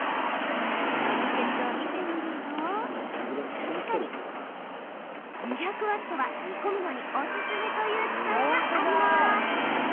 トリセツを見てみると確かに２００ワットは煮込むのにおすすめという記載が書いてある。